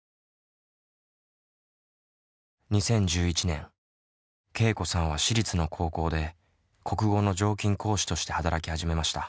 ２０１１年けいこさんは私立の高校で国語の常勤講師として働き始めました。